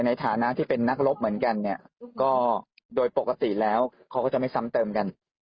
ในฐานะที่เป็นนักรบเหมือนกันเนี่ยก็โดยปกติแล้วเขาก็จะไม่ซ้ำเติมกัน